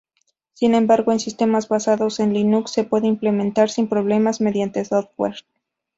Sin embargo, en sistemas basados en Linux se puede implementar sin problemas mediante software.